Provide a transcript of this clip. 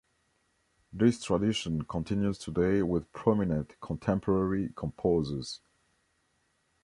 This tradition continues today with prominent contemporary composers.